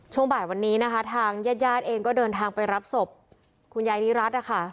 ช่วงบ่ายวันนี้นะคะทางญาติญาติเองก็เดินทางไปรับศพคุณยายนิรัตินะคะ